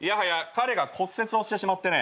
彼が骨折をしてしまってね。